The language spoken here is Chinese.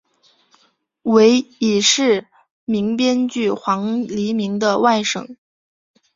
为已逝名编剧黄黎明的外甥。